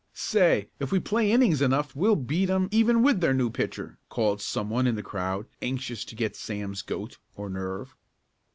"Say, if we play innings enough we'll beat 'em even with their new pitcher!" called some one in the crowd, anxious to get Sam's "goat," or nerve.